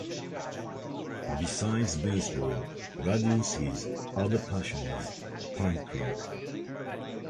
Besides baseball, Radinsky's other passion is punk rock.